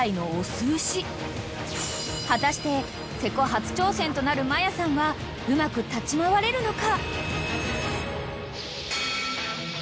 ［果たして勢子初挑戦となる真矢さんはうまく立ち回れるのか？］